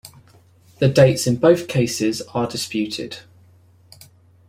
The dates in both cases are disputed.